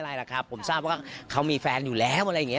อะไรล่ะครับผมทราบว่าเขามีแฟนอยู่แล้วอะไรอย่างนี้